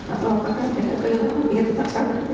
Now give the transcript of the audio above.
atau apakah mereka menjadi jahat karena kehilangan mirna